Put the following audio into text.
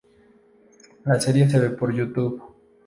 La serie se ve por YouTube.